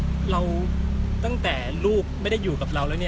ขอแค่ลูกค่ะถ้าเขาเอาลูกมาเนี้ยเอาลูกมาให้เราคือเรา